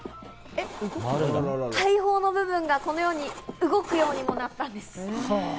大砲の部分がこのように動くようにもなったんです。